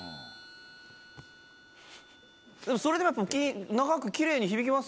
それでもやっぱ長くキレイに響きますよね。